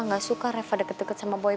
nggak suka reva deket deket sama boy